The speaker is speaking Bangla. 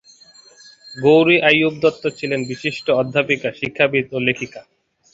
গৌরী আইয়ুব দত্ত ছিলেন বিশিষ্ট অধ্যাপিকা, শিক্ষাবিদ ও লেখিকা।